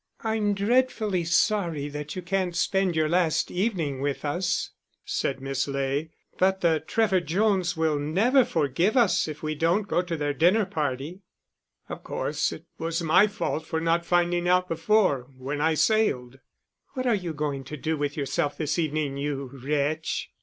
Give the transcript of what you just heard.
"I'm dreadfully sorry that you can't spend your last evening with us," said Miss Ley. "But the Trevor Jones will never forgive us if we don't go to their dinner party." "Of course it was my fault for not finding out before, when I sailed." "What are you going to do with yourself this evening, you wretch?"